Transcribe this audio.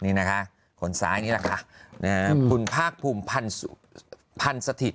นี่นะคะคนซ้ายนี่แหละค่ะคุณภาคภูมิพันธ์สถิต